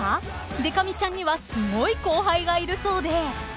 ［でか美ちゃんにはすごい後輩がいるそうで］